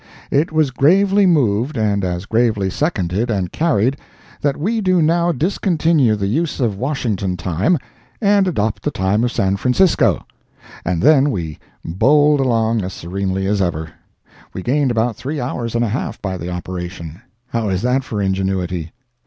It was gravely moved and as gravely seconded and carried, "That we do now discontinue the use of Washington time, and adopt the time of San Francisco!" and then we bowled along as serenely as ever. We gained about three hours and a half by the operation! How is that for ingenuity?